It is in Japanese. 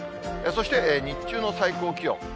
そして日中の最高気温。